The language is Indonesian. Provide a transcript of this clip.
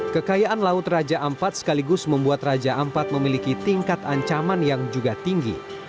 kekayaan laut raja ampat sekaligus membuat raja ampat memiliki tingkat ancaman yang juga tinggi